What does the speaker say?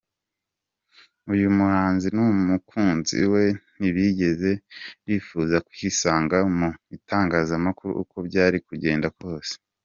Uyu muhanzi n’umukunzi we, ntibigeze bifuza kwisanga mu itangazamakuru uko byari kugenda kose.